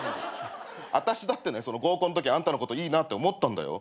あたしだってねその合コンのときあんたのこといいなって思ったんだよ。